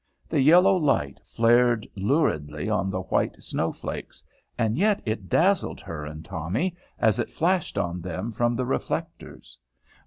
The yellow light flared luridly on the white snow flakes, and yet it dazzled her and Tommy as it flashed on them from the reflectors.